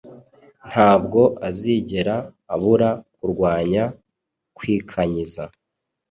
ntabwo azigera abura kurwanya kwikanyiza.